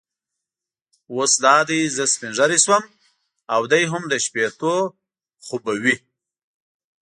اوس دا دی زه سپینږیری شوم او دی هم د شپېتو خو به وي.